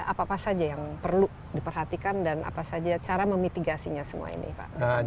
apa apa saja yang perlu diperhatikan dan cara memitigasinya semua ini pak gesang